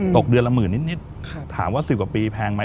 ตกเดือนละหมื่นนิดถามว่า๑๐กว่าปีแพงไหม